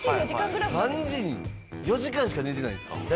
４時間しか寝てないんですか？